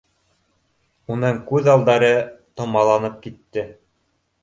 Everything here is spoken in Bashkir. Уның күҙ алдары томаланып китте